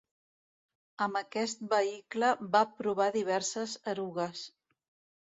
Amb aquest vehicle va provar diverses erugues.